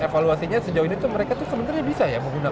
evaluasinya sejauh ini mereka tuh sebenarnya bisa